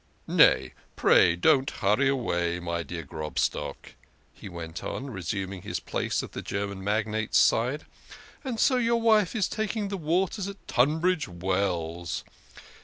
Nay, pray don't hurry away, my dear Grobstock," he went on, resuming his place at the German magnate's side " and so your wife is taking the waters at Tunbridge Wells.